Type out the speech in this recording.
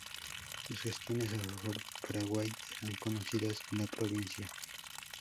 Sus gestiones a favor de Paraguay eran conocidas en la provincia.